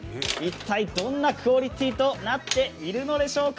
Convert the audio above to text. どんなクオリティーとなっているのでしょうか。